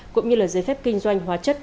cũng như giấy phép kinh doanh hóa chất